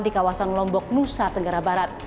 di kawasan lombok nusa tenggara barat